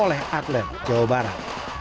oleh atlet jawa barat